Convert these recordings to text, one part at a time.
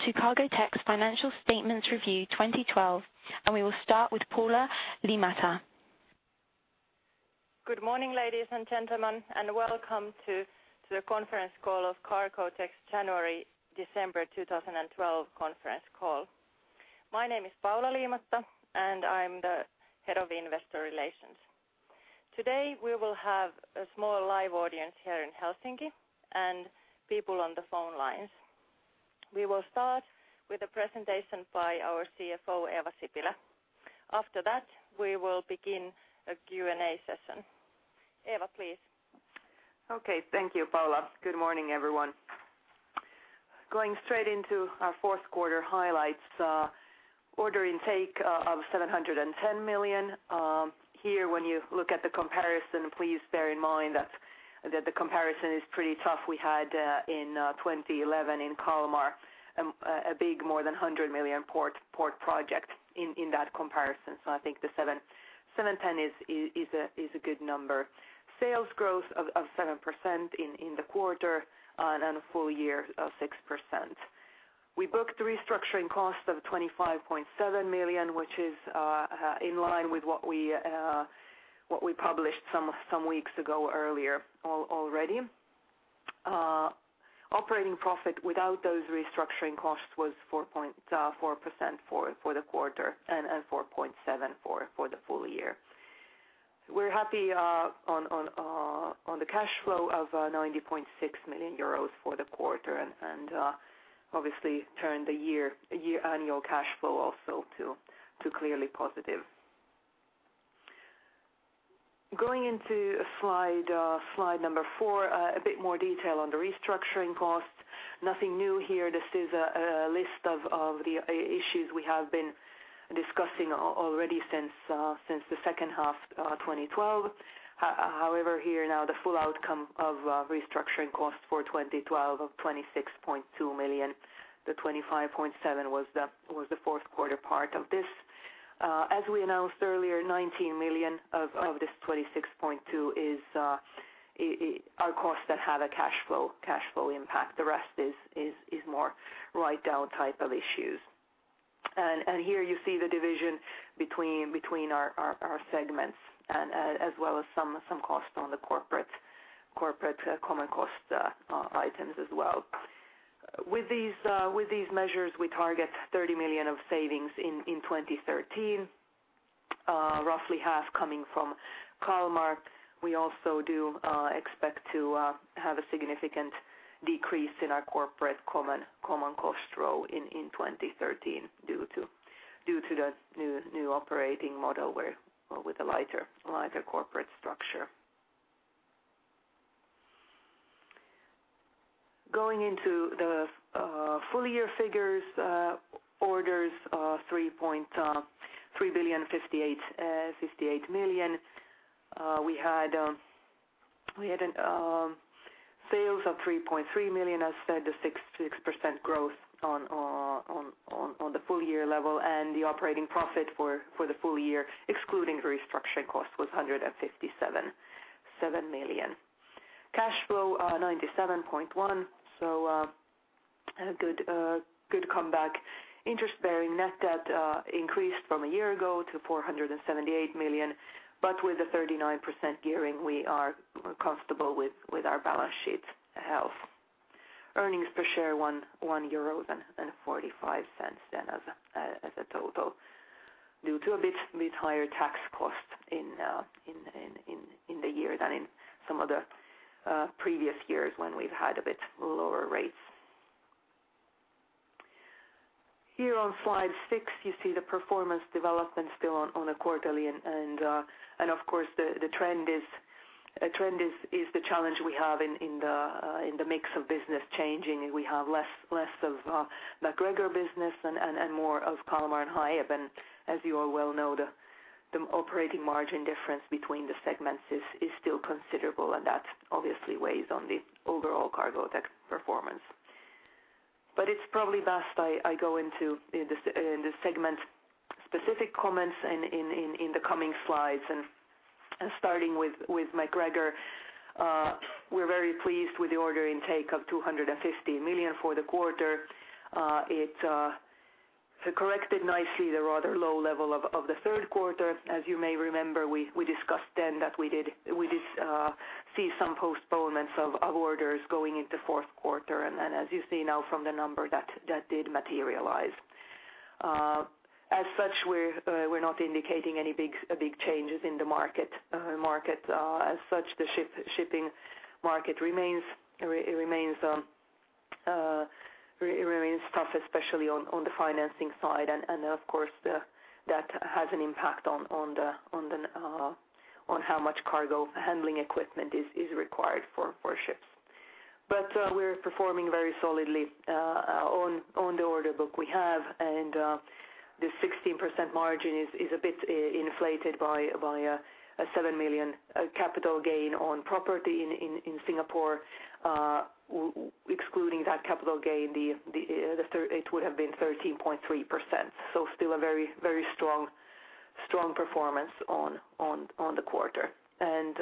Welcome to Cargotec's Financial Statements Review 2012. We will start with Paula Liimatta. Good morning, ladies and gentlemen, and welcome to the conference call of Cargotec's January-December 2012 Conference Call. My name is Paula Liimatta, and I'm the head of Investor Relations. Today, we will have a small live audience here in Helsinki and people on the phone lines. We will start with a presentation by our CFO, Eeva Sipilä. After that, we will begin a Q&A session. Eeva, please. Okay, thank you, Paula. Good morning, everyone. Going straight into our fourth quarter highlights, order intake of 710 million. Here, when you look at the comparison, please bear in mind that the comparison is pretty tough. We had in 2011 in Kalmar a big more than 100 million port project in that comparison. I think the 710 is a good number. Sales growth of 7% in the quarter and a full year of 6%. We booked restructuring costs of 25.7 million, which is in line with what we published some weeks ago earlier already. Operating profit without those restructuring costs was 4.4% for the quarter and 4.7% for the full year. We're happy on the cash flow of 90.6 million euros for the quarter and obviously turned the year annual cash flow also to clearly positive. Going into slide number four, a bit more detail on the restructuring costs. Nothing new here. This is a list of the issues we have been discussing already since the second half, 2012. However, here now the full outcome of restructuring costs for 2012 of 26.2 million. The 25.7 million was the fourth quarter part of this. As we announced earlier, 19 million of this 26.2 are costs that have a cash flow impact. The rest is more write down type of issues. Here you see the division between our segments as well as some costs on the corporate common cost items as well. With these measures, we target 30 million of savings in 2013, roughly half coming from Kalmar. We also do expect to have a significant decrease in our corporate common cost row in 2013 due to the new operating model where, with a lighter corporate structure. Going into the full year figures, orders are 3.058 billion. We had sales of 3.3 million, as said, 6% growth on the full year level. The operating profit for the full year, excluding restructuring costs, was 157 million. Cash flow, 97.1, a good comeback. Interest bearing net debt increased from a year ago to 478 million. With a 39% gearing, we are comfortable with our balance sheet health. Earnings per share, 1.45 euro then as a total due to a bit higher tax cost in the year than in some other previous years when we've had a bit lower rates. Here on slide six, you see the performance development still on a quarterly and of course the trend is the challenge we have in the mix of business changing. We have less of MacGregor business and more of Kalmar and Hiab. As you all well know, the operating margin difference between the segments is still considerable, and that obviously weighs on the overall Cargotec performance. It's probably best I go into the segment specific comments in the coming slides. Starting with MacGregor, we're very pleased with the order intake of 250 million for the quarter. It corrected nicely the rather low level of the third quarter. As you may remember, we discussed then that we did see some postponements of orders going into fourth quarter. As you see now from the number that did materialize. As such, we're not indicating any big changes in the market. As such, the shipping market remains tough, especially on the financing side. Of course, that has an impact on the on how much cargo handling equipment is required for ships. But we're performing very solidly on the order book we have. The 16% margin is a bit inflated by a 7 million capital gain on property in Singapore. We excluding that capital gain, it would have been 13.3%. Still a very strong performance on the quarter and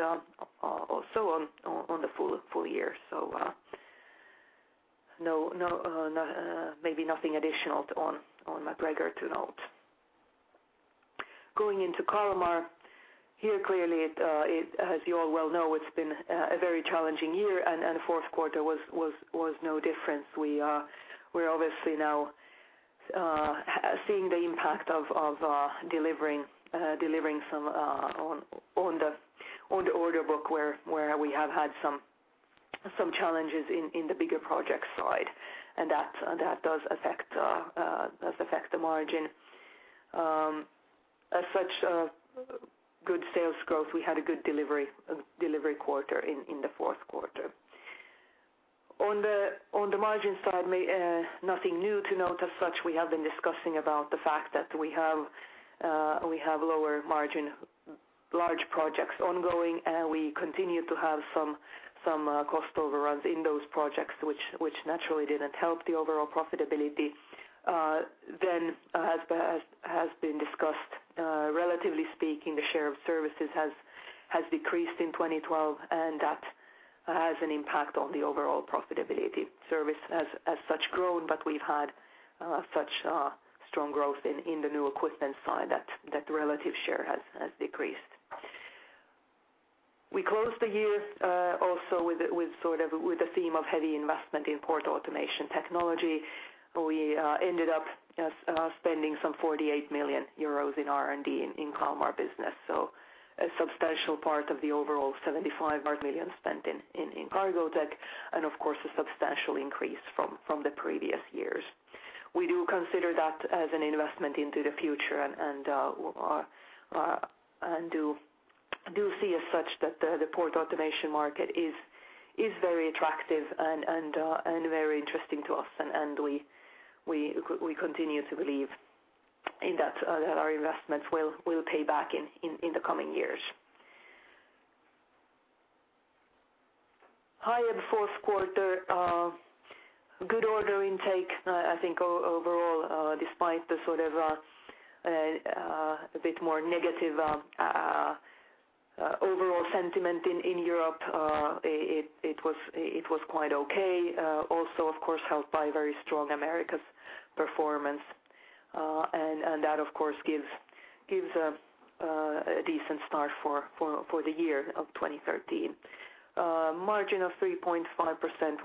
also on the full year. No, maybe nothing additional on MacGregor to note. Going into Kalmar, here clearly it, as you all well know, it's been a very challenging year, and fourth quarter was no different. We're obviously now seeing the impact of delivering some on the order book where we have had some challenges in the bigger project side, and that does affect the margin. As such a good sales growth, we had a good delivery quarter in the fourth quarter. On the margin side, nothing new to note as such. We have been discussing about the fact that we have lower margin large projects ongoing, and we continue to have some cost overruns in those projects which naturally didn't help the overall profitability. As has been discussed, relatively speaking, the share of services has decreased in 2012, and that has an impact on the overall profitability service has grown, but we've had such strong growth in the new equipment side that relative share has decreased. We closed the year also with sort of with a theme of heavy investment in port automation technology. We ended up spending some 48 million euros in R&D in Kalmar business, so a substantial part of the overall 75 million spent in Cargotec, and of course, a substantial increase from the previous years. We do consider that as an investment into the future and do see as such that the port automation market is very attractive and very interesting to us. We continue to believe in that our investments will pay back in the coming years. Hiab fourth quarter, good order intake, I think overall, despite the sort of a bit more negative overall sentiment in Europe, it was quite okay. Also of course helped by very strong Americas performance. That of course gives a decent start for the year of 2013. Margin of 3.5%,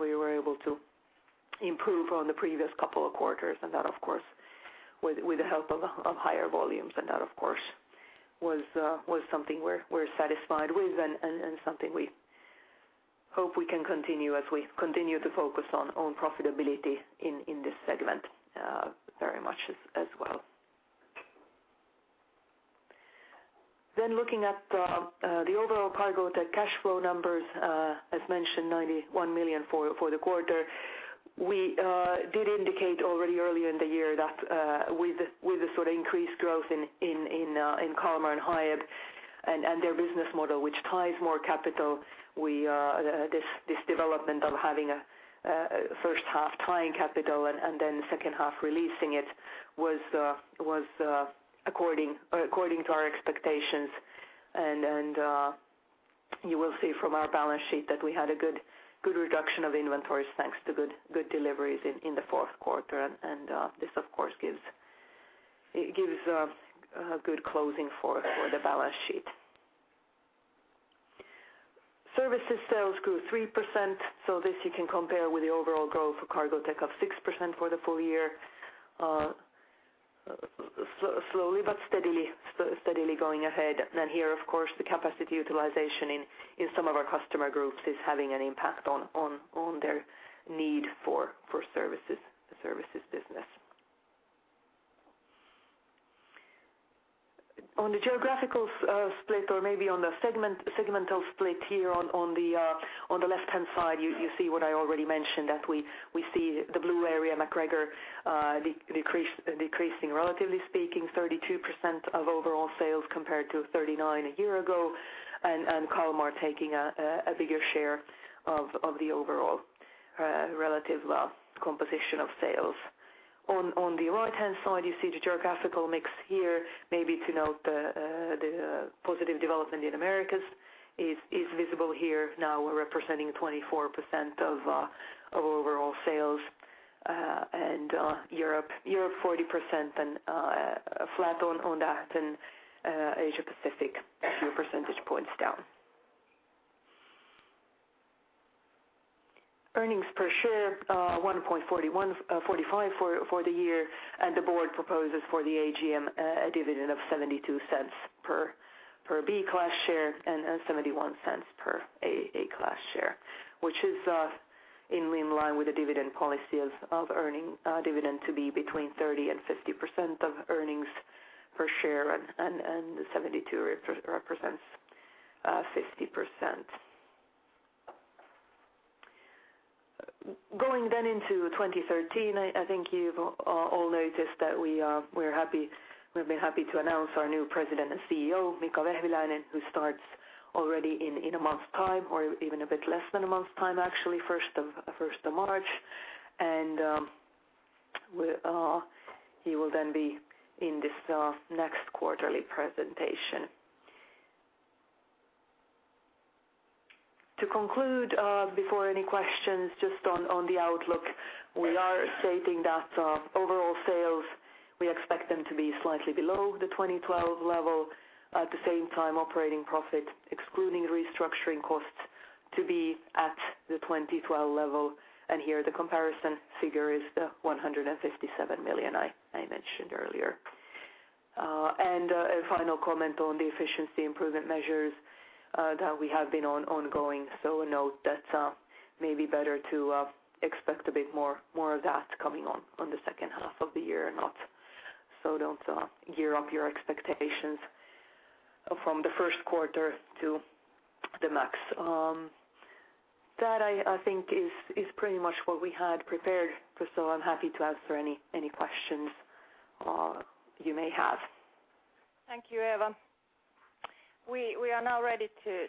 we were able to improve on the previous couple of quarters, and that of course with the help of higher volumes, and that of course was something we're satisfied with and something we hope we can continue as we continue to focus on profitability in this segment very much as well. Looking at the overall Cargotec cash flow numbers, as mentioned, 91 million for the quarter. We did indicate already earlier in the year that with the, with the sort of increased growth in Kalmar and Hiab and their business model, which ties more capital, we this development of having a first half tying capital and then second half releasing it was according to our expectations. You will see from our balance sheet that we had a good reduction of inventories thanks to good deliveries in the fourth quarter. This of course gives a good closing for the balance sheet. Services sales grew 3%, this you can compare with the overall growth for Cargotec of 6% for the full year. Slowly but steadily going ahead. Here, of course, the capacity utilization in some of our customer groups is having an impact on their need for services, the services business. On the geographical split or maybe on the segmental split here on the left-hand side, you see what I already mentioned, that we see the blue area, MacGregor decreasing, relatively speaking, 32% of overall sales compared to 39% a year ago, and Kalmar taking a bigger share of the overall relative composition of sales. On the right-hand side, you see the geographical mix here, maybe to note the positive development in Americas is visible here. We're representing 24% of overall sales, and Europe 40% and flat on that and Asia Pacific a few percentage points down. Earnings per share 1.41-1.45 for the year, and the board proposes for the AGM a dividend of 0.72 per B class share and 0.71 per A class share, which is in line with the dividend policy of earning dividend to be between 30% and 50% of earnings per share and the 0.72 represents 50%. Going into 2013, I think you've all noticed that we're happy, we've been happy to announce our new President and CEO, Mika Vehviläinen, who starts already in a month's time or even a bit less than a month's time, actually, first of March. He will then be in this next quarterly presentation. To conclude, before any questions just on the outlook, we are stating that overall sales, we expect them to be slightly below the 2012 level. At the same time, operating profit excluding restructuring costs to be at the 2012 level. Here the comparison figure is the 157 million I mentioned earlier. A final comment on the efficiency improvement measures that we have been ongoing. A note that may be better to expect a bit more of that coming on the second half of the year and not. Don't gear up your expectations from the first quarter to the max. That I think is pretty much what we had prepared for. I'm happy to answer any questions you may have. Thank you, Eeva. We are now ready to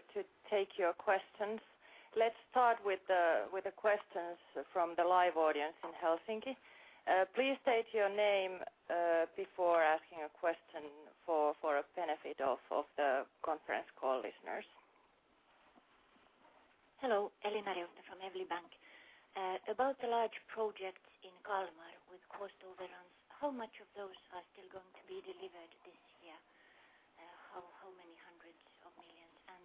take your questions. Let's start with the questions from the live audience in Helsinki. Please state your name before asking a question for a benefit of the conference call listeners. Hello, Elina Riutta from Evli Bank. About the large projects in Kalmar with cost overruns, how much of those are still going to be delivered this year? How many hundreds of millions EUR?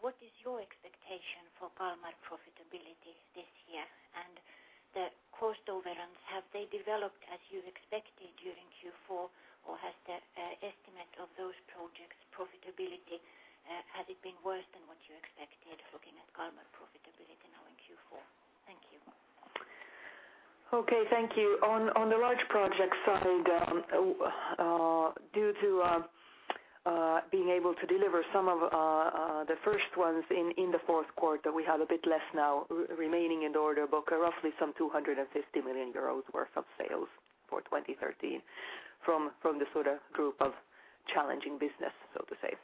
What is your expectation for Kalmar profitability this year? The cost overruns, have they developed as you expected during Q4, or has the estimate of those projects' profitability been worse than what you expected looking at Kalmar profitability now in Q4? Thank you. Okay, thank you. On the large project side, due to being able to deliver some of the first ones in the fourth quarter, we have a bit less now remaining in the order book, roughly some 250 million euros worth of sales for 2013 from the sort of group of challenging business, so to say.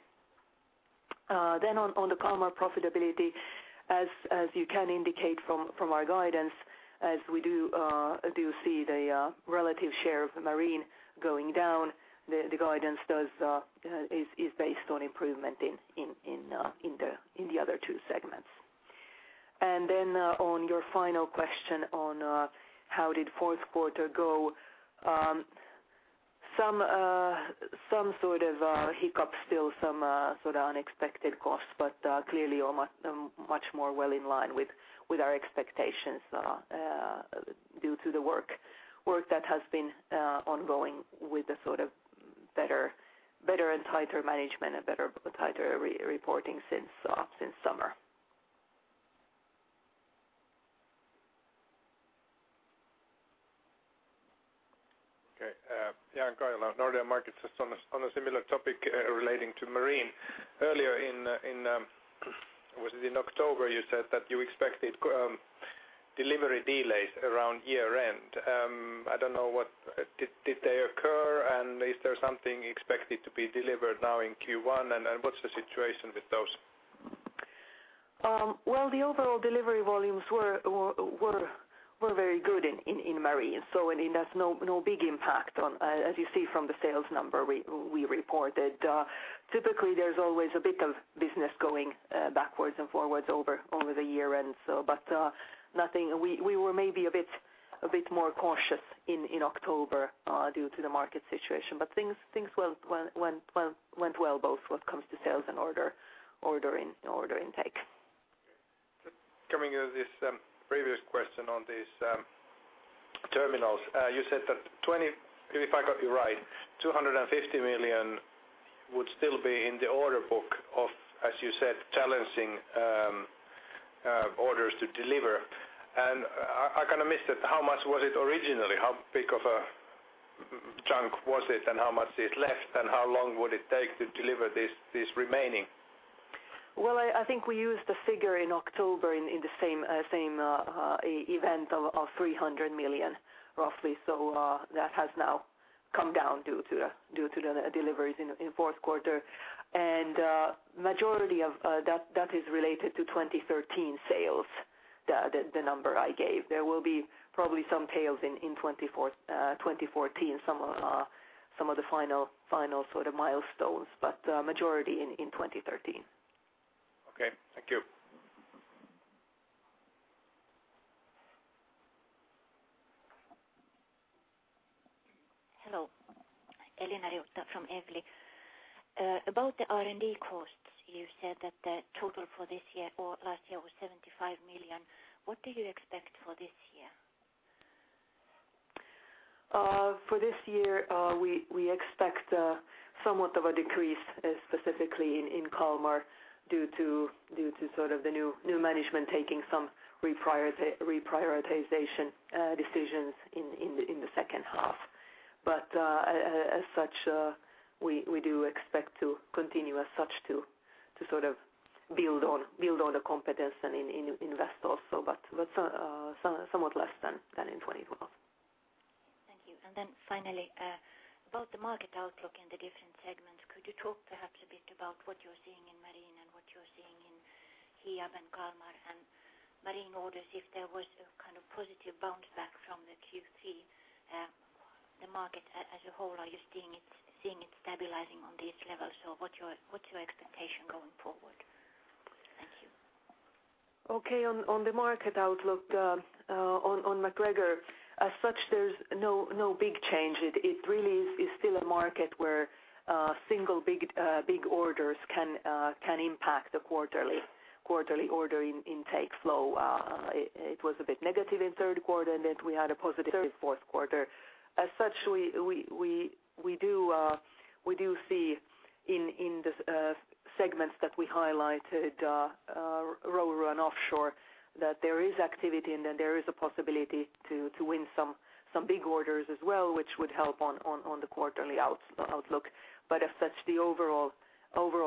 Then on the Kalmar profitability, as you can indicate from our guidance, as we do see the relative share of marine going down, the guidance is based on improvement in the other two segments. On your final question on how did fourth quarter go, some sort of hiccup still, some sort of unexpected costs, but clearly are much more well in line with our expectations due to the work that has been ongoing with the sort of better and tighter management and better tighter re-reporting since summer. Okay. Jan Karila, Nordea Markets. Just on a similar topic, relating to marine. Earlier in, was it in October, you said that you expected delivery delays around year-end. I don't know what. Did they occur? Is there something expected to be delivered now in Q1? What's the situation with those? Well, the overall delivery volumes were very good in marine, so, I mean, there's no big impact on. As you see from the sales number we reported, typically there's always a bit of business going backwards and forwards over the year-end, so, but nothing. We were maybe a bit more cautious in October due to the market situation. Things went well both when it comes to sales and order intake. Coming to this previous question on these terminals, you said that if I got you right, 250 million would still be in the order book of, as you said, challenging orders to deliver. I kind of missed it. How much was it originally? How big of a chunk was it, and how much is left, and how long would it take to deliver this remaining? I think we used the figure in October in the same event of 300 million, roughly. That has now come down due to the deliveries in fourth quarter. Majority of that is related to 2013 sales, the number I gave. There will be probably some tails in 2014, some of the final sort of milestones, but majority in 2013. Okay. Thank you. Hello. Elina Riutta from Evli. About the R&D costs, you said that the total for this year or last year was 75 million. What do you expect for this year? For this year, we expect somewhat of a decrease, specifically in Kalmar due to sort of the new management taking some reprioritization decisions in the second half. But as such, we do expect to continue as such to build on the competence and invest also, but somewhat less than in 2012. Finally, about the market outlook in the different segments, could you talk perhaps a bit about what you're seeing in Marine and what you're seeing in Hiab and Kalmar and Marine orders, if there was a kind of positive bounce back from the Q3, the market as a whole, are you seeing it stabilizing on these levels, or what's your expectation going forward? Thank you. Okay. On the market outlook on MacGregor, as such, there's no big change. It really is still a market where single big orders can impact the quarterly ordering intake flow. It was a bit negative in third quarter, and then we had a positive in fourth quarter. As such, we do see in the segments that we highlighted, RoRo and offshore, that there is activity and then there is a possibility to win some big orders as well, which would help on the quarterly outlook. As such, the overall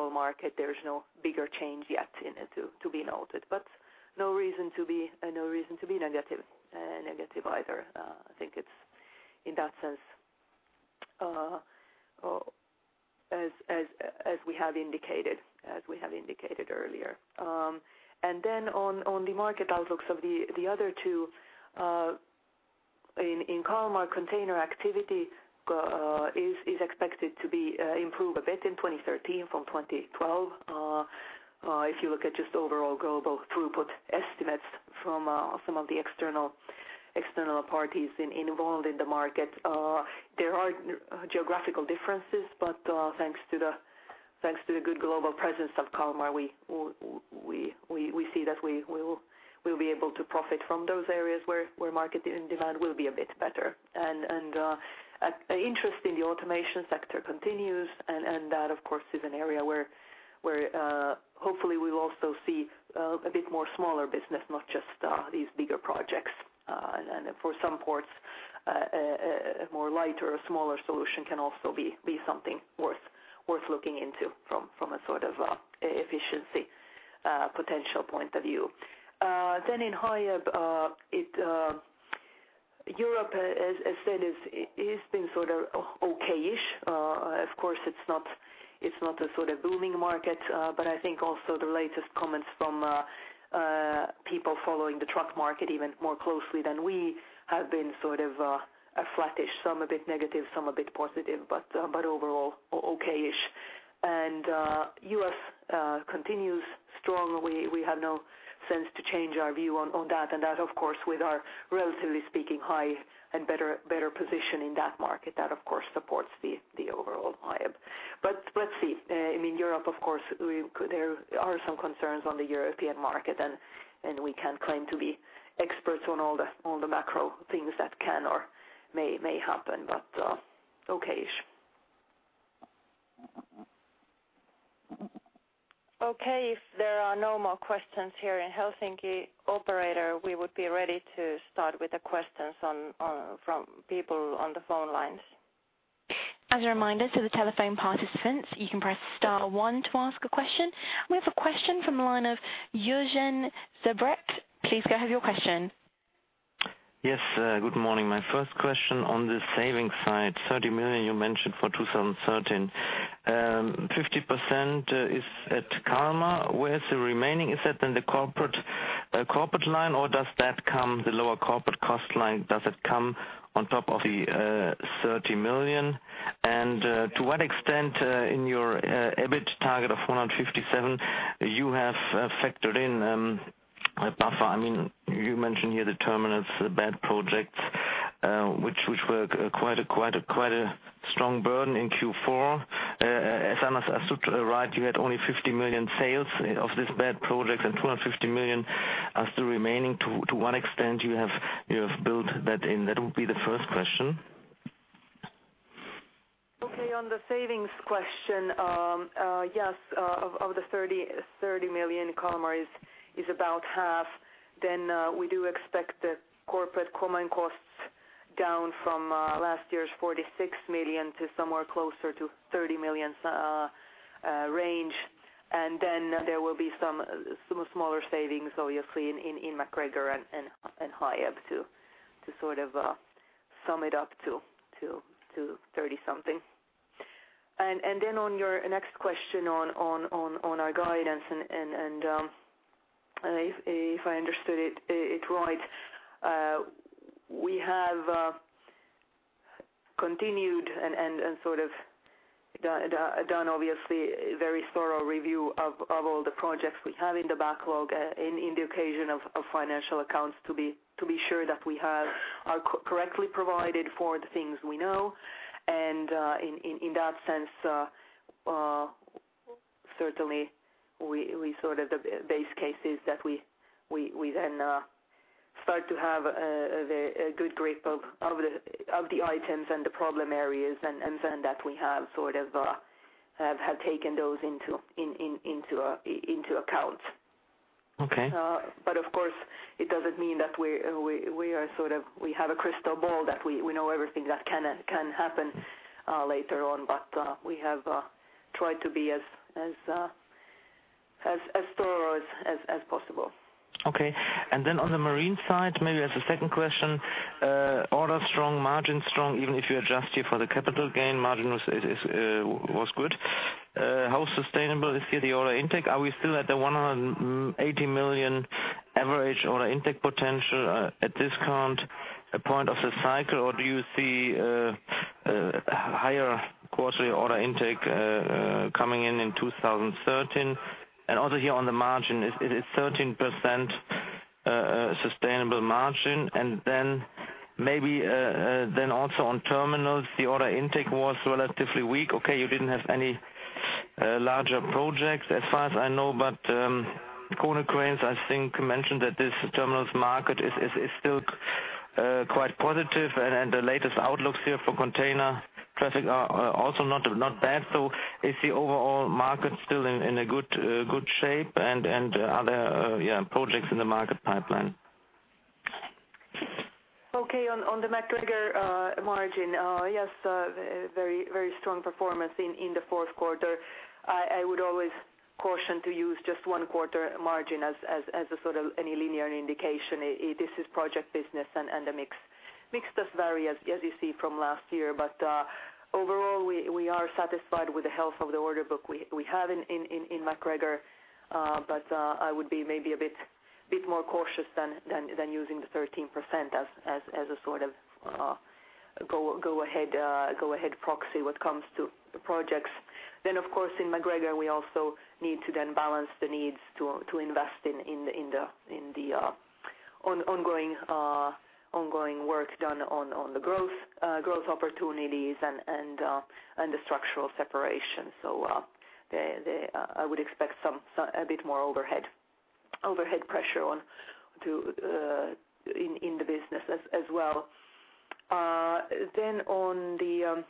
market, there's no bigger change yet in it to be noted, but no reason to be negative either. I think it's in that sense, as we have indicated earlier. On the market outlooks of the other two, in Kalmar, container activity is expected to improve a bit in 2013 from 2012. If you look at just overall global throughput estimates from some of the external parties involved in the market, there are geographical differences, thanks to the good global presence of Kalmar, we see that we will be able to profit from those areas where market and demand will be a bit better. Interest in the automation sector continues, and that of course is an area where hopefully we will also see a bit more smaller business, not just these bigger projects. For some ports, a more lighter or smaller solution can also be something worth looking into from a sort of efficiency potential point of view. In Hiab, Europe as said is been sort of okay-ish. Of course it's not a sort of booming market, but I think also the latest comments from people following the truck market even more closely than we have been sort of flattish, some a bit negative, some a bit positive, but overall okay-ish. U.S. continues strong. We have no sense to change our view on that, and that of course with our relatively speaking high and better position in that market, that of course supports the overall Hiab. Let's see. I mean Europe of course there are some concerns on the European market. We can't claim to be experts on all the macro things that can or may happen, okay-ish. Okay. If there are no more questions here in Helsinki, operator, we would be ready to start with the questions on from people on the phone lines. As a reminder to the telephone participants, you can press star one to ask a question. We have a question from the line of Eugen Sebrecht. Please go ahead with your question. Yes, good morning. My first question on the savings side, 30 million you mentioned for 2013. 50% is at Kalmar. Where is the remaining? Is that in the corporate line, or does that come, the lower corporate cost line, does it come on top of the 30 million? To what extent in your EBIT target of 157 million you have factored in a buffer? I mean, you mentioned here the terminals, the bad projects, which were quite a strong burden in Q4. If I understood right, you had only 50 million sales of these bad projects and 250 million are still remaining. To what extent you have built that in? That would be the first question. Okay. On the savings question, yes, of the 30 million, Kalmar is about half. We do expect the corporate common costs down from last year's 46 million to somewhere closer to 30 million range. There will be some smaller savings obviously in MacGregor and Hiab to sort of sum it up to 30 something. Then on your next question on our guidance and if I understood it right, we have continued and sort of done obviously a very thorough review of all the projects we have in the backlog in the occasion of financial accounts to be sure that we are correctly provided for the things we know. In that sense, certainly we sort of the base case is that we then start to have a very good grip of the items and the problem areas and then that we have sort of taken those into account. Okay. Of course, it doesn't mean that we are sort of, we have a crystal ball that we know everything that can happen later on. We have tried to be as thorough as possible. Okay. Then on the marine side, maybe as a second question, order strong, margin strong, even if you adjust here for the capital gain margin was good. How sustainable is here the order intake? Are we still at the 180 million average order intake potential at this current point of the cycle? Or do you see a higher quarterly order intake coming in in 2013? Also here on the margin, is it 13% sustainable margin? Then maybe then also on terminals, the order intake was relatively weak. You didn't have any larger projects as far as I know, but Konecranes, I think, mentioned that this terminals market is still quite positive and the latest outlooks here for container traffic are also not bad. Is the overall market still in a good shape and are there projects in the market pipeline? Okay, on the MacGregor margin. Yes, very strong performance in the fourth quarter. I would always caution to use just one quarter margin as a sort of any linear indication. This is project business and the mix does vary as you see from last year. Overall, we are satisfied with the health of the order book we have in MacGregor. I would be maybe a bit more cautious than using the 13% as a sort of go ahead proxy when it comes to the projects. Of course in MacGregor we also need to then balance the needs to invest in the ongoing work done on the growth opportunities and the structural separation. I would expect some, a bit more overhead pressure on to in the business as well. On the,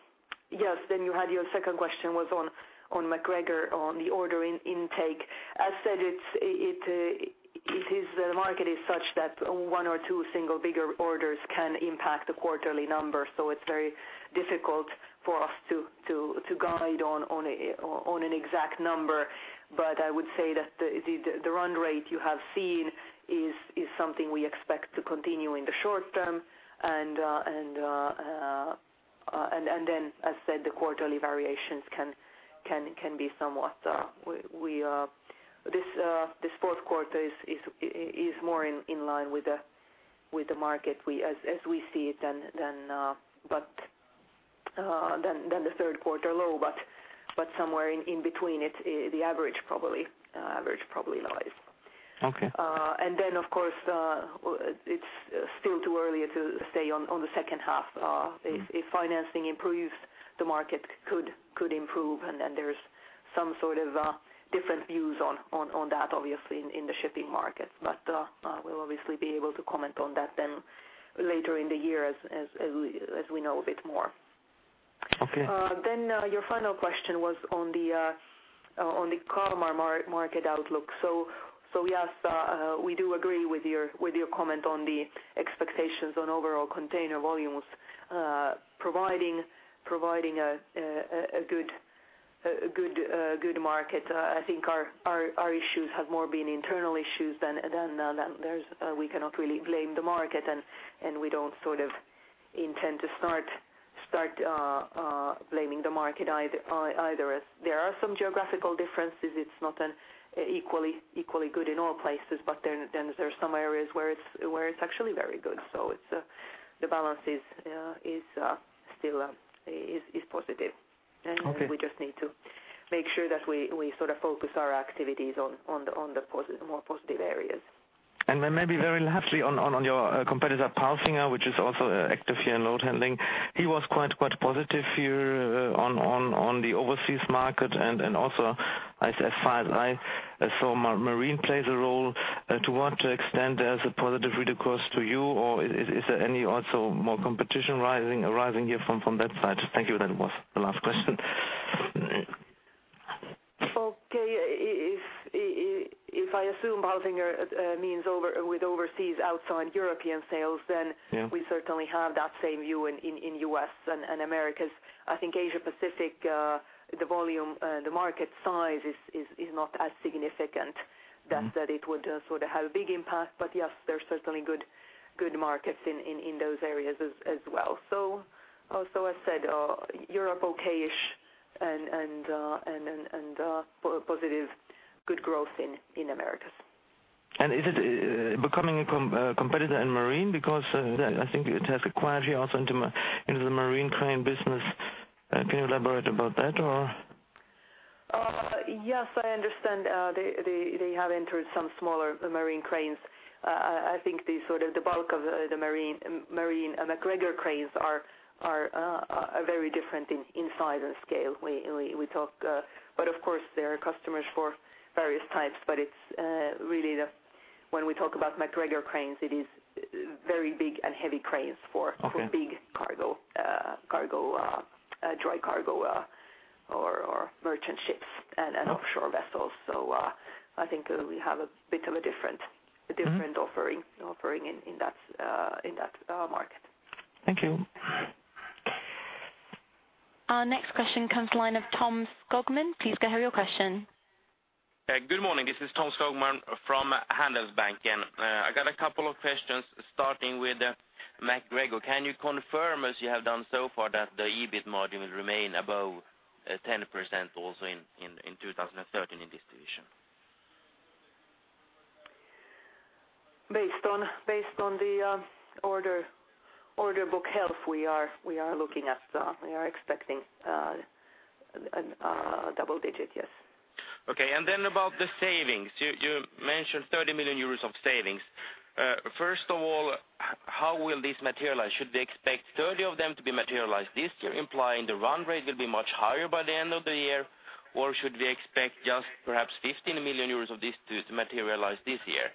yes, then you had your second question was on MacGregor on the ordering intake. As said, it is the market is such that one or two single bigger orders can impact the quarterly numbers. It's very difficult for us to guide on an exact number. I would say that the run rate you have seen is something we expect to continue in the short term. Then as said, the quarterly variations can be somewhat, this fourth quarter is more in line with the market we as we see it than, but than the third quarter low, but somewhere in between it, the average probably lies. Okay. Of course, it's still too early to say on the second half. If financing improves, the market could improve, and then there's some sort of different views on that obviously in the shipping market. We'll obviously be able to comment on that then later in the year as we know a bit more. Okay. Your final question was on the Kalmar market outlook. Yes, we do agree with your, with your comment on the expectations on overall container volumes, providing a good market. I think our issues have more been internal issues than we cannot really blame the market and we don't sort of intend to blame the market either. There are some geographical differences. It's not an equally good in all places, but there's some areas where it's actually very good. It's the balance is still positive. Okay. We just need to make sure that we sort of focus our activities on the more positive areas. Maybe very lastly on your competitor, Palfinger, which is also active here in load handling. He was quite positive here on the overseas market and also as far as I saw, marine plays a role. To what extent there is a positive read across to you or is there any also more competition rising, arising here from that side? Thank you. That was the last question. Okay. If I assume Palfinger means with overseas outside European sales- Yeah. We certainly have that same view in US and Americas. I think Asia Pacific, the volume, the market size is not as significant. that it would sort of have a big impact. Yes, there's certainly good markets in those areas as well. As said, Europe okay-ish and positive good growth in Americas. Is it becoming a competitor in marine? Because, I think it has acquired here also into the marine crane business. Can you elaborate about that or? Yes, I understand, they have entered some smaller marine cranes. I think the sort of the bulk of the marine and MacGregor cranes are very different in size and scale. We talk, but of course there are customers for various types, but it's when we talk about MacGregor cranes, it is very big and heavy cranes for big cargo, dry cargo, or merchant ships and offshore vessels. I think we have a bit of a different a different offering in that market. Thank you. Our next question comes line of Tom Skogman. Please go ahead your question. Good morning. This is Tom Skogman from Handelsbanken. I got a couple of questions starting with MacGregor. Can you confirm, as you have done so far, that the EBIT margin will remain above 10% also in 2013 in this division? Based on the order book health, we are looking at, we are expecting a double digit, yes. Okay. About the savings, you mentioned 30 million euros of savings. First of all, how will this materialize? Should they expect 30 of them to be materialized this year, implying the run rate will be much higher by the end of the year? Should we expect just perhaps 15 million euros of this to materialize this year?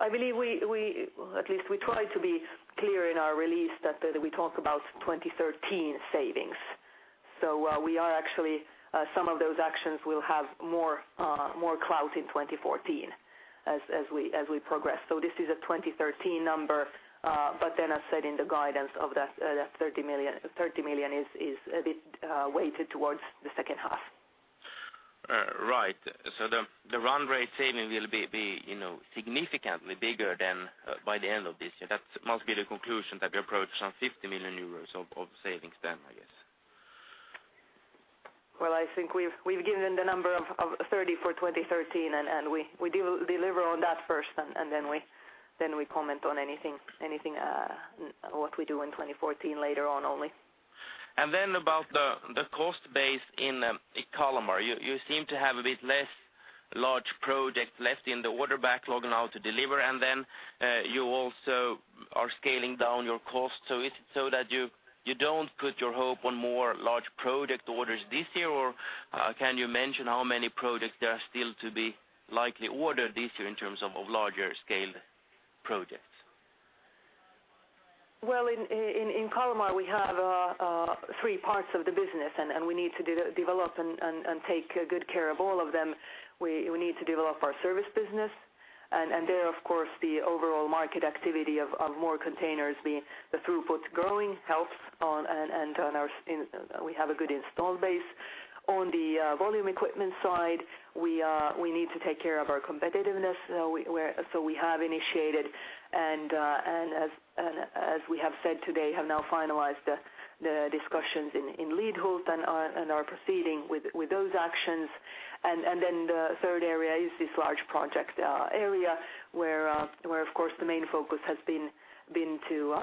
I believe we at least we tried to be clear in our release that we talk about 2013 savings. We are actually some of those actions will have more more clout in 2014 as we progress. This is a 2013 number as said in the guidance of that 30 million is a bit weighted towards the second half. Right. The run rate saving will be, you know, significantly bigger than by the end of this year. That must be the conclusion that we approach some 50 million euros of savings then, I guess. Well, I think we've given the number of 30 for 2013, and we deliver on that first and then we comment on anything what we do in 2014 later on only. About the cost base in Kalmar, you seem to have a bit less large project left in the order backlog now to deliver, and then you also are scaling down your cost. Is it so that you don't put your hope on more large product orders this year? Can you mention how many products there are still to be likely ordered this year in terms of larger scale projects? Well, in Kalmar, we have three parts of the business, and we need to develop and take good care of all of them. We need to develop our service business, and there, of course, the overall market activity of more containers being the throughput growing helps on and on our we have a good install base. On the volume equipment side, we need to take care of our competitiveness. We have initiated and as we have said today, have now finalized the discussions in Hudiksvall and are proceeding with those actions. Then the third area is this large project area where of course the main focus has been to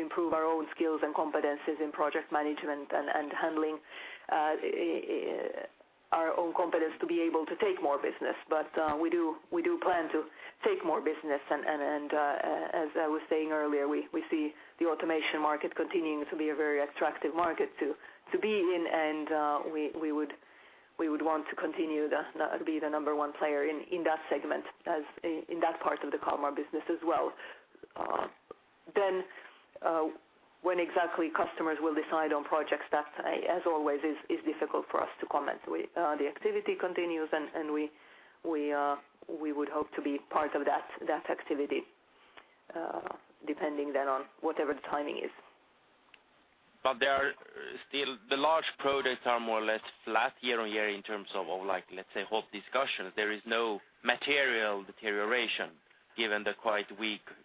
improve our own skills and competencies in project management and handling our own competence to be able to take more business. We do plan to take more business and as I was saying earlier, we see the automation market continuing to be a very attractive market to be in. We would want to continue that, be the number one player in that segment as in that part of the Kalmar business as well. Then, when exactly customers will decide on projects that, as always, is difficult for us to comment. We, the activity continues and we would hope to be part of that activity, depending then on whatever the timing is. There are still the large products are more or less flat year-on-year in terms of like, let's say, whole discussion. There is no material deterioration given the quite weak growth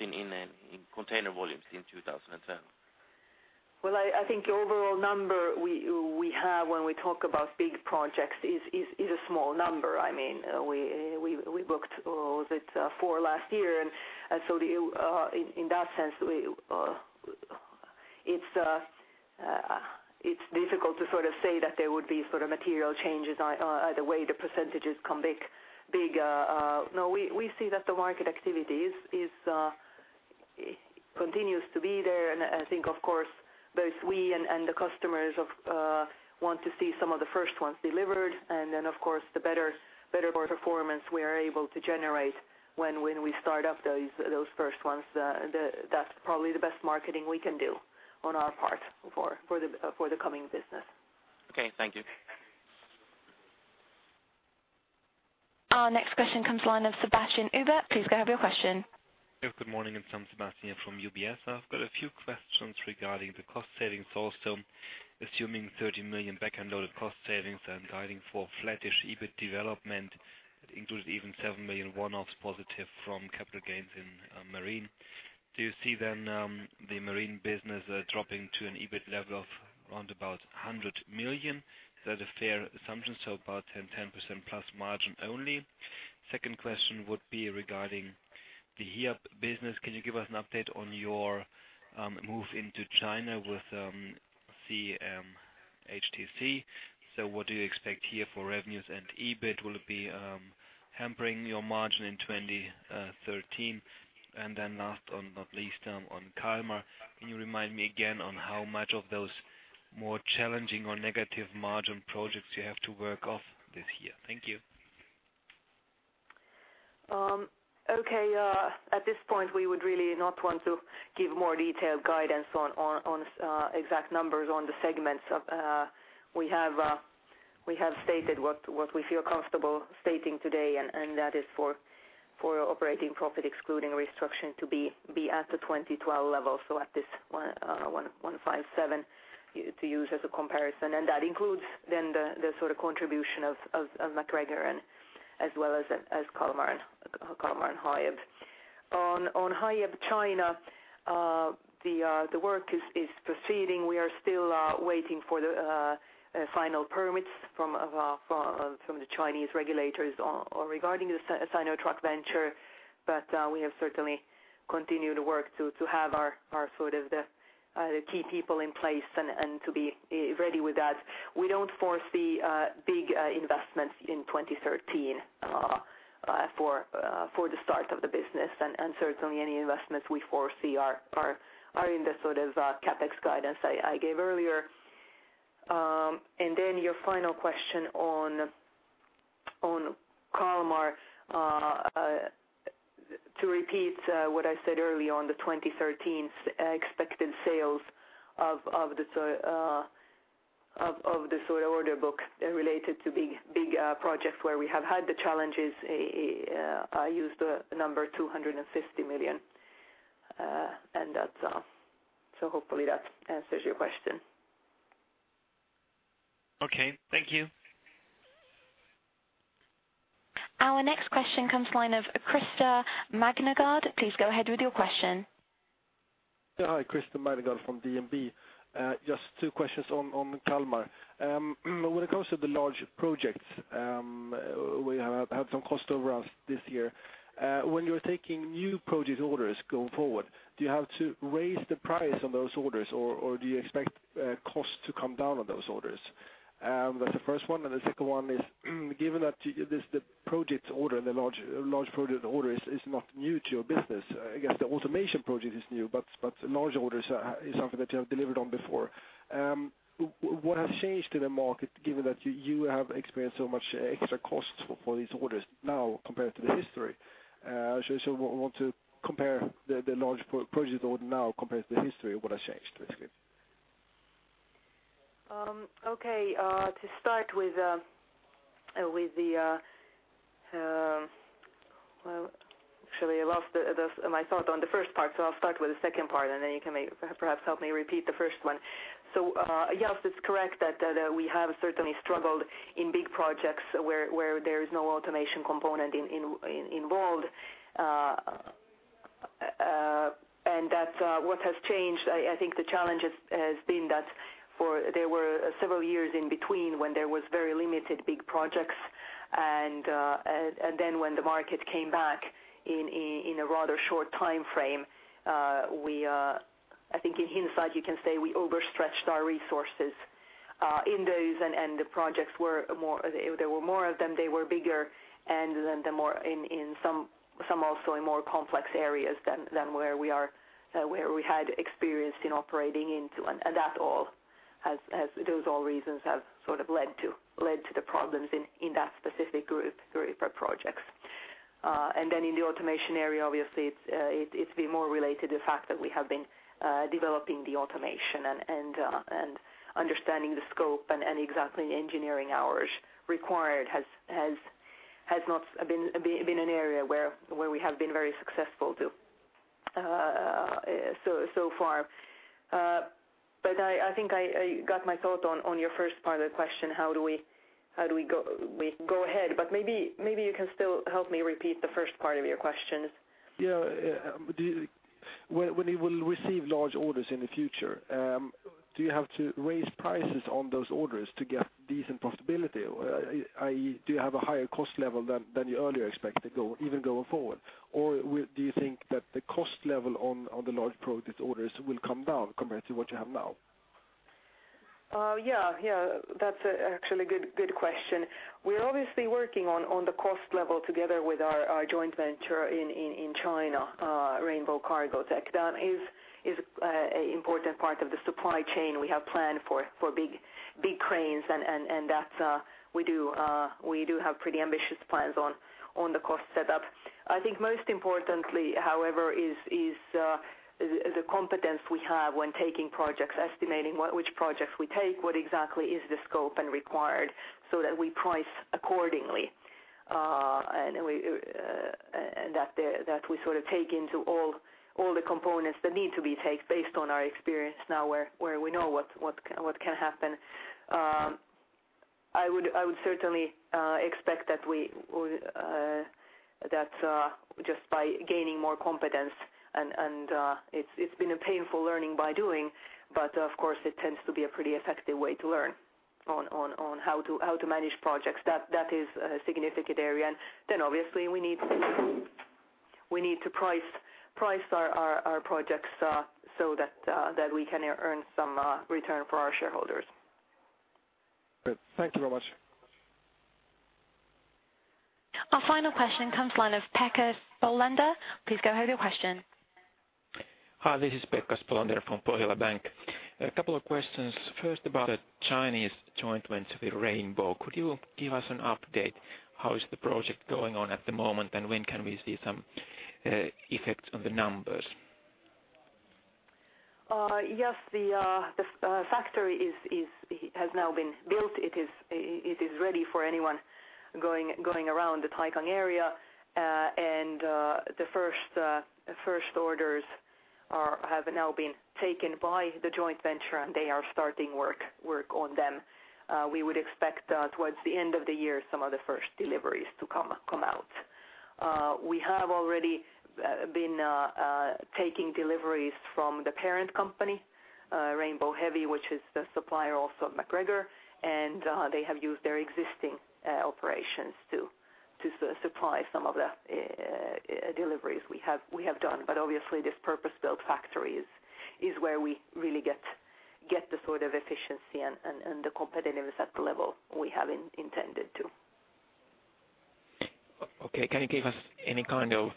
in container volumes in 2010. Well, I think overall number we have when we talk about big projects is a small number. I mean, we booked, was it, 4 last year. The in that sense, we, it's difficult to sort of say that there would be sort of material changes the way the percentages come big. No, we see that the market activity is continues to be there. I think of course both we and the customers want to see some of the first ones delivered. Of course the better performance we are able to generate when we start up those first ones, that's probably the best marketing we can do on our part for the coming business. Okay. Thank you. Our next question comes line of Sebastian Growe. Please go ahead with your question. Good morning, it's Sebastian from UBS. I've got a few questions regarding the cost savings also, assuming 30 million back-end loaded cost savings and guiding for flattish EBIT development, it includes even 7 million one-offs positive from capital gains in marine. Do you see then the marine business dropping to an EBIT level of around about 100 million? Is that a fair assumption? About 10%+ margin only. Second question would be regarding the Hiab business. Can you give us an update on your move into China with CNHTC? What do you expect here for revenues and EBIT? Will it be hampering your margin in 2013? Last but not least, on Kalmar, can you remind me again on how much of those more challenging or negative margin projects you have to work off this year? Thank you. Okay. At this point, we would really not want to give more detailed guidance on exact numbers on the segments. We have stated what we feel comfortable stating today, and that is for operating profit excluding restructuring to be at the 2012 level. At this 1,157 to use as a comparison. That includes the sort of contribution of MacGregor as well as Kalmar and Hiab. On Hiab China, the work is proceeding. We are still waiting for the final permits from the Chinese regulators regarding the Sinotruk venture. We have certainly continued to work to have our sort of the key people in place and to be ready with that. We don't foresee big investments in 2013 for the start of the business. Certainly any investments we foresee are, are in the sort of CapEx guidance I gave earlier. Your final question on Kalmar, to repeat what I said earlier on the 2013 expected sales of the sort of order book related to big, big projects where we have had the challenges, I used the number 250 million, and that's all. Hopefully that answers your question. Okay, thank you. Our next question comes line of Krister Magnergård. Please go ahead with your question. Yeah, hi, Krister Magnergård from DNB. Just two questions on Kalmar. When it comes to the large projects, we have had some cost overruns this year. When you're taking new project orders going forward, do you have to raise the price on those orders, or do you expect costs to come down on those orders? That's the first one, and the second one is, given that the project order, the large project order is not new to your business, I guess the automation project is new, but large orders is something that you have delivered on before. What has changed in the market given that you have experienced so much extra costs for these orders now compared to the history? Want to compare the large projects order now compared to the history, what has changed, basically? Okay, to start with, well, actually I lost my thought on the first part, so I'll start with the second part, and then you can may perhaps help me repeat the first one. Yes, it's correct that we have certainly struggled in big projects where there is no automation component involved. That, what has changed, I think the challenge has been that for several years in between when there was very limited big projects and then when the market came back in a rather short time frame, we, I think in hindsight, you can say we overstretched our resources in those, and the projects were more. There were more of them, they were bigger and then more in some also in more complex areas than where we are, where we had experience in operating into. That all has, those all reasons have sort of led to the problems in that specific group of projects. And then in the automation area, obviously it's been more related to the fact that we have been developing the automation and understanding the scope and exactly engineering hours required has not been an area where we have been very successful so far. But I think I got my thought on your first part of the question, how do we go ahead, but maybe you can still help me repeat the first part of your question Yeah. When you will receive large orders in the future, do you have to raise prices on those orders to get decent profitability? i.e., do you have a higher cost level than you earlier expected even going forward? Or do you think that the cost level on the large project orders will come down compared to what you have now? Yeah. Yeah. That's actually a good question. We're obviously working on the cost level together with our joint venture in China, Rainbow-Cargotec Industries. That is an important part of the supply chain we have planned for big cranes and that we do have pretty ambitious plans on the cost setup. I think most importantly, however, is the competence we have when taking projects, estimating which projects we take, what exactly is the scope and required so that we price accordingly. We and that we sort of take into all the components that need to be take based on our experience now where we know what can happen. I would certainly expect that we, that just by gaining more competence and, it's been a painful learning by doing, but of course it tends to be a pretty effective way to learn on how to manage projects. That is a significant area. Obviously we need to price our projects so that we can earn some return for our shareholders. Good. Thank you very much. Our final question comes line of Pekka Spolander. Please go ahead with your question. Hi, this is Pekka Spolander from Pohjola Bank. A couple of questions, first about the Chinese joint venture with Rainbow. Could you give us an update, how is the project going on at the moment, and when can we see some effect on the numbers? Yes, the factory has now been built. It is ready for anyone going around the Taicang area. The first orders have now been taken by the joint venture, and they are starting work on them. We would expect towards the end of the year some of the first deliveries to come out. We have already been taking deliveries from the parent company, Rainbow Heavy Industries, which is the supplier also of MacGregor, and they have used their existing operations to supply some of the deliveries we have done. Obviously, this purpose-built factory is where we really get the sort of efficiency and the competitiveness at the level we have intended to. Okay, can you give us any kind of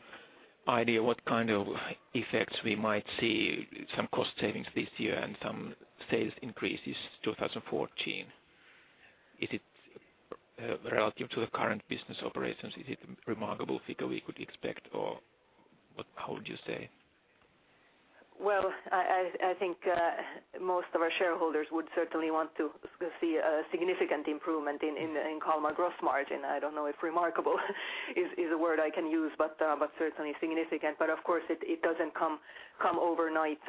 idea what kind of effects we might see, some cost savings this year and some sales increases 2014? Is it, relative to the current business operations, is it remarkable figure we could expect, or how would you say? Well, I think most of our shareholders would certainly want to see a significant improvement in Kalmar gross margin. I don't know if remarkable is a word I can use, but certainly significant. Of course it doesn't come overnight.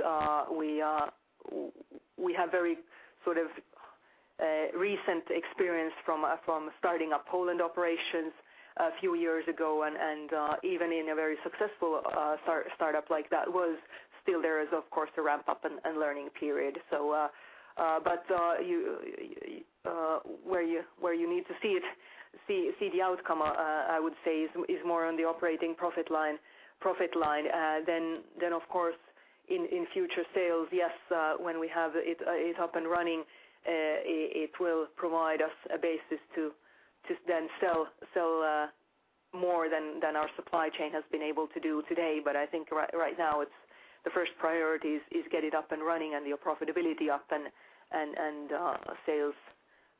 We have very sort of recent experience from starting up Poland operations a few years ago. Even in a very successful startup like that was still there is of course a ramp-up and learning period. But where you need to see the outcome, I would say is more on the operating profit line. Then of course in future sales, yes, when we have it up and running, it will provide us a basis to then sell more than our supply chain has been able to do today. I think right now it's the first priority is get it up and running and your profitability up, and sales,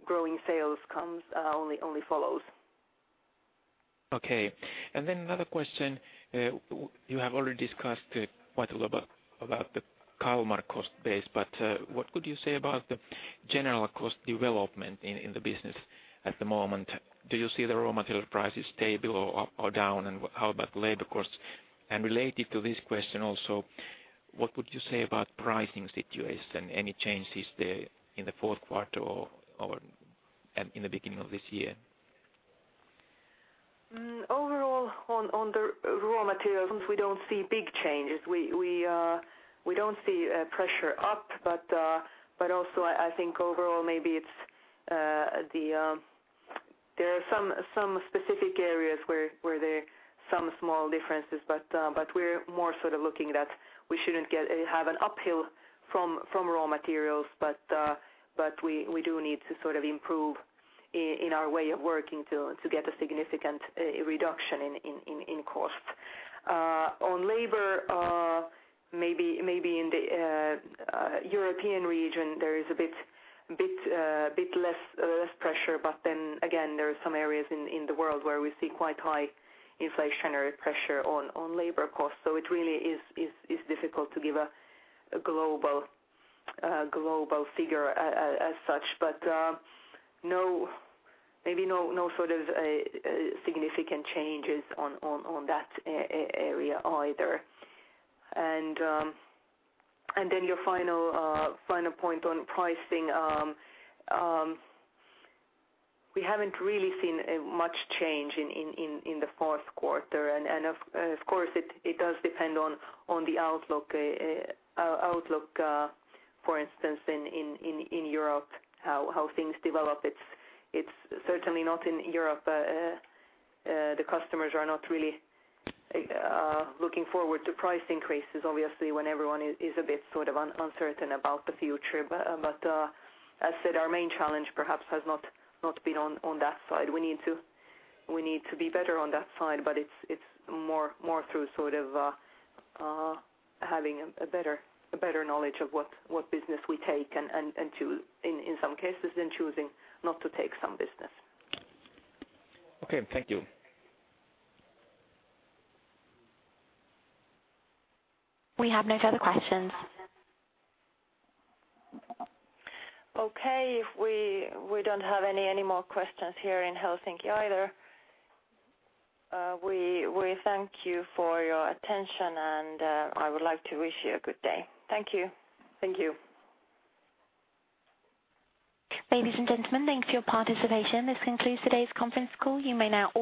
growing sales comes only follows. Okay. Another question. You have already discussed quite a lot about the Kalmar cost base, but what could you say about the general cost development in the business at the moment? Do you see the raw material prices stable or up or down, and how about labor costs? Related to this question also, what would you say about pricing situation? Any changes there in the fourth quarter or in the beginning of this year? Overall on the raw materials, we don't see big changes. We don't see pressure up, also I think overall maybe it's the, there are some specific areas where there some small differences. We're more sort of looking that we shouldn't have an uphill from raw materials. We do need to sort of improve in our way of working to get a significant reduction in cost. On labor, maybe in the European region there is a bit less pressure. Then again, there are some areas in the world where we see quite high inflationary pressure on labor costs. It really is difficult to give a global figure as such. No, maybe no sort of significant changes on that area either. Your final point on pricing. We haven't really seen much change in the fourth quarter. Of course, it does depend on the outlook, for instance, in Europe, how things develop. It's certainly not in Europe. The customers are not really looking forward to price increases, obviously, when everyone is a bit sort of uncertain about the future. As said, our main challenge perhaps has not been on that side. We need to be better on that side, it's more through sort of having a better knowledge of what business we take and to in some cases then choosing not to take some business. Okay, thank you. We have no further questions. Okay. If we don't have any more questions here in Helsinki either, we thank you for your attention and I would like to wish you a good day. Thank you. Thank you. Ladies and gentlemen, thanks for your participation. This concludes today's conference call. You may now disconnect.